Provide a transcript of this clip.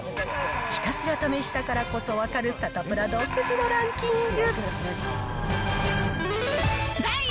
ひたすら試したからこそわかる、サタプラ独自のランキング。